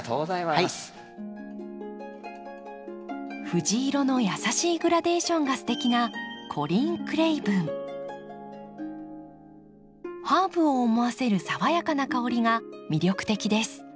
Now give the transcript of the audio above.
藤色の優しいグラデーションがすてきなハーブを思わせる爽やかな香りが魅力的です。